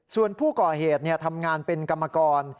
ส่วนผู้ก่อเหตุทำงานเป็นกรรมกร